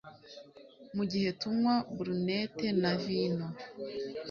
Mugihe tunywa brunette na vino